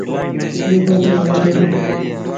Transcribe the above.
يو پانجي مان جھڙووَ